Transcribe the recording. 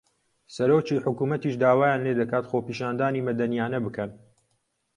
سەرۆکی حکوومەتیش داوایان لێ دەکات خۆپیشاندانی مەدەنییانە بکەن